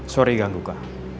sorry ganggu kak